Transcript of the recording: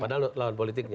padahal lawan politiknya